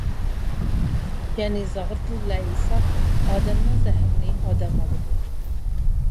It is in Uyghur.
يەنى زاغرا تىل بىلەن ئېيتساق ئادەمنىڭ زەھىرىنى ئادەم ئالىدۇ.